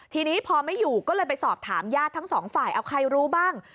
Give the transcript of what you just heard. ทีนี้พอไม่อยู่ก็เลยไปสอบถามญาติทั้งสองฝ่ายเอาใครรู้บ้าง